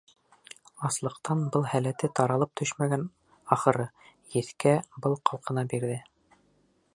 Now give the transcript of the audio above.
Аслыҡтан был һәләте таралып төшмәгән, ахыры, еҫкә был ҡалҡына бирҙе.